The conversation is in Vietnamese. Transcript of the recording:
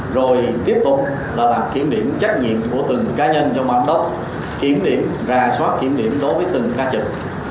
rồi tiếp tục là kiểm điểm trách nhiệm của từng cá nhân trong bang đốc kiểm điểm ra soát kiểm điểm đối với từng ca trực